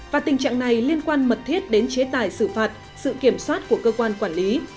và tình trạng này liên quan mật thiết đến chế tài xử phạt sự kiểm soát của cơ quan quản lý